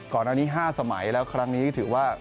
ก่อนอันนี้๕สมัยแล้วครั้งนี้ถือว่า